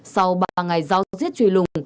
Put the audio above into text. sau ba ngày giao giết trùy lùng